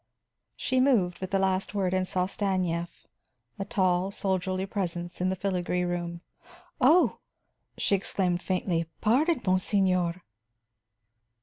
She moved with the last word and saw Stanief; a tall, soldierly presence in the filagree room. "Oh," she exclaimed faintly, "pardon, monseigneur!"